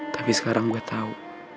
tapi sekarang gue tau